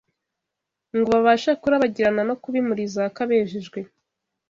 ngo babashe kurabagirana no kuba imuri zaka, bejejwe